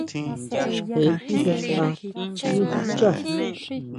Je tijetʼa nú xchá.